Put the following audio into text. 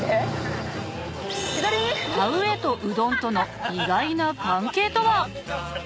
田植えとうどんとの意外な関係とは？